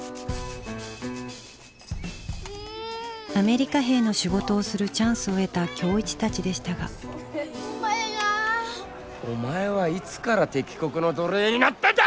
アメリカ兵の仕事をするチャンスを得た今日一たちでしたがお前はいつから敵国の奴隷になったんだ！